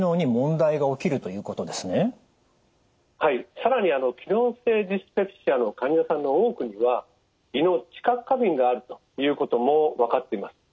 更に機能性ディスペプシアの患者さんの多くには胃の知覚過敏があるということも分かっています。